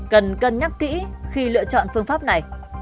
cần cân nhắc kỹ khi lựa chọn phương pháp này